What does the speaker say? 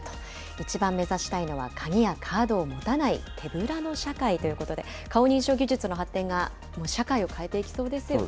一番目指したいのは鍵やカードを持たない手ぶらの社会ということで、顔認証技術の発展が、この社会を変えていきそうですよね。